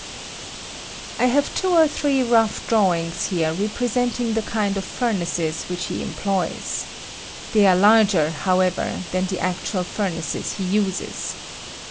I have two or three rough drawings here, representing the kind of furnaces which he em ploys. They are larger, however, than the ac tual furnaces he uses.